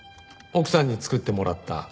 奥さんに作ってもらった」